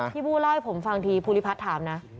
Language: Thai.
บู้เล่าให้ผมฟังทีภูริพัฒน์ถามนะ